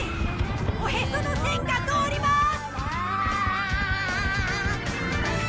おへその栓が通りまーす！